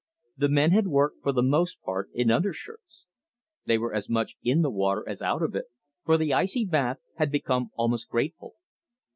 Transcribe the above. The men had worked for the most part in undershirts. They were as much in the water as out of it, for the icy bath had become almost grateful.